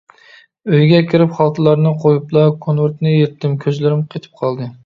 ئۆيگە كىرىپ خالتىلارنى قويۇپلا كونۋېرتنى يىرتتىم. كۆزلىرىم قېتىپ قالدى.